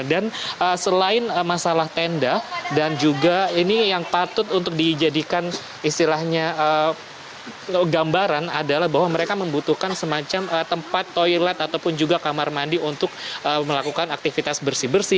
dan selain masalah tenda dan juga ini yang patut untuk dijadikan istilahnya gambaran adalah bahwa mereka membutuhkan semacam tempat toilet ataupun juga kamar mandi untuk melakukan aktivitas